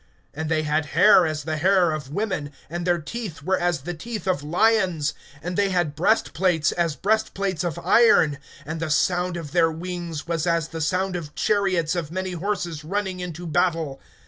(8)And they had hair as the hair of women, and their teeth were as the teeth of lions. (9)And they had breastplates, as breastplates of iron; and the sound of their wings was as the sound of chariots of many horses running into battle.